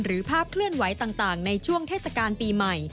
ภาพเคลื่อนไหวต่างในช่วงเทศกาลปีใหม่